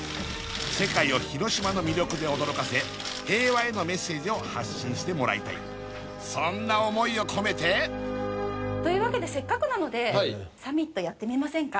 世界を広島の魅力で驚かせ平和へのメッセージを発信してもらいたいそんな思いを込めてというわけでせっかくなのでサミットやってみませんか？